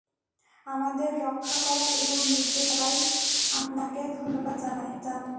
আমাদের রক্ষা করা এবং নির্দেশিত করায় আপনাকে ধন্যবাদ জানাই।